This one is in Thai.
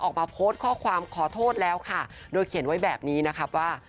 ออกมาโพสต์ข้อความขอโทษแล้วค่ะโดยเขียนไว้แบบนี้นะครับว่า